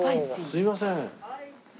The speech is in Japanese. すみません。